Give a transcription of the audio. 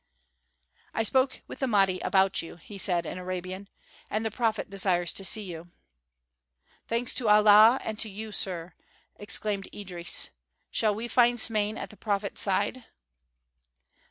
"I spoke with the Mahdi about you," he said in Arabian, "and the prophet desires to see you." "Thanks to Allah and to you, sir," exclaimed Idris. "Shall we find Smain at the prophet's side."